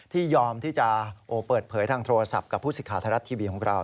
ยอมที่จะเปิดเผยทางโทรศัพท์กับผู้สิทธิ์ไทยรัฐทีวีของเรา